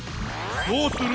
どうする！